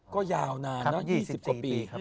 ก็ยาวนานเนอะ๒๐กว่าปี